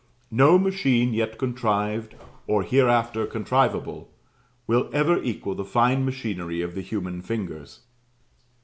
No machine yet contrived, or hereafter contrivable, will ever equal the fine machinery of the human fingers.